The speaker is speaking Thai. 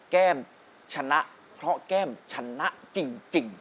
แก้มชนะเพราะแก้มชนะจริง